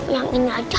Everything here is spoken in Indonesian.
yang ini aja